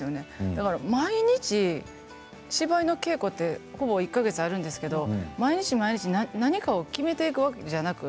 だから毎日、芝居の稽古ってほぼ１か月あるんですけれど毎日毎日、何かを決めていくわけじゃなく